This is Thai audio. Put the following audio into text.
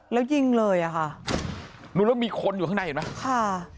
แล้วยิงเลยอ่ะค่ะดูแล้วมีคนอยู่ข้างในเห็นไหมค่ะ